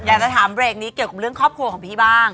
อยากจะถามเบรกนี้เกี่ยวกับเรื่องครอบครัวของพี่บ้าง